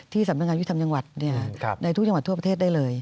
สำนักงานยุติธรรมจังหวัดในทุกจังหวัดทั่วประเทศได้เลย